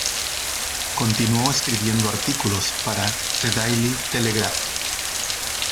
Continuó escribiendo artículos para "The Daily Telegraph".